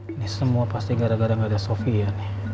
ini semua pasti gara gara ada sofi ya